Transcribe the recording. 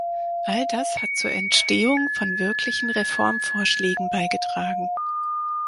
All das hat zur Entstehung von wirklichen Reformvorschlägen beigetragen.